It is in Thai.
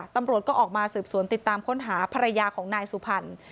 ตำรวจก็ออกมาสืบสวนติดตามค้นหาภรรยาของนายสุพรรณ